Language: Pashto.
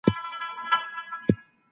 ځوانانو ته د ازادي مطالعې زمينه برابره کړئ.